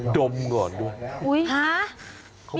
ดมก่อนด้วยอุ๊ยห้ามีเลือก